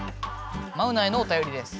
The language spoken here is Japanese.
マウナへのおたよりです。